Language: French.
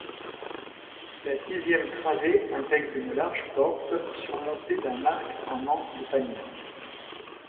La sizième travée intègre une large porte surmontée d'un arc en anse de panier.